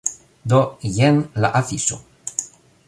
Do, jen la afiŝo.